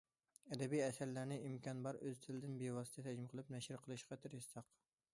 ئەدەبىي ئەسەرلەرنى ئىمكان بار ئۆز تىلىدىن بىۋاسىتە تەرجىمە قىلىپ نەشر قىلىشقا تىرىشساق.